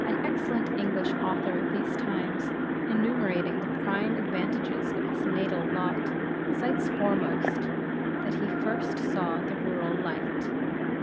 An excellent English author of these times enumerating the prime advantages of his natal lot, cites foremost, that he first saw the rural light.